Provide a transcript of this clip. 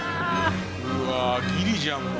「うわギリじゃんもう」